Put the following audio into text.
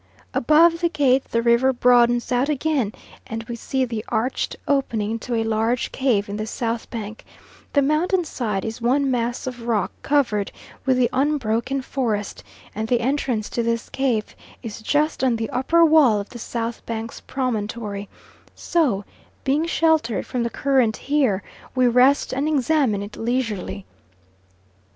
Above the gate the river broadens out again and we see the arched opening to a large cave in the south bank; the mountain side is one mass of rock covered with the unbroken forest; and the entrance to this cave is just on the upper wall of the south bank's promontory; so, being sheltered from the current here, we rest and examine it leisurely.